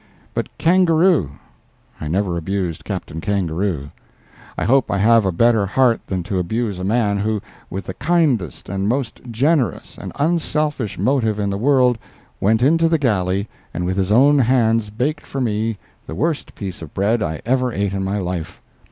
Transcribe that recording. But Kangaroo—I never abused Captain Kangaroo. I hope I have a better heart than to abuse a man who, with the kindest and most generous and unselfish motive in the world, went into the galley, and with his own hands baked for me the worst piece of bread I ever ate in my life.